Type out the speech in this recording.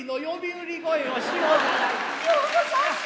ようござんす。